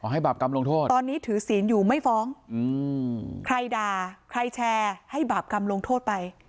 ให้บาปกรรมลงโทษตอนนี้ถือศีลอยู่ไม่ฟ้องใครด่าใครแชร์ให้บาปกรรมลงโทษไป